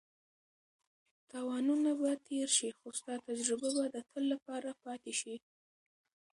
تاوانونه به تېر شي خو ستا تجربه به د تل لپاره پاتې شي.